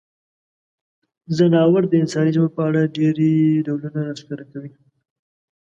ځناور د انساني ژوند په اړه ډیری ډولونه راښکاره کوي.